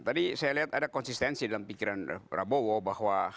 tadi saya lihat ada konsistensi dalam pikiran prabowo bahwa